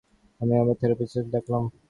আমি আমার থেরাপিস্টকে ডাকলাম।